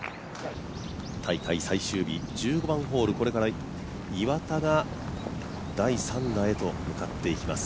大会最終日、１５番ホールこれから岩田が第３打へと向かっていきます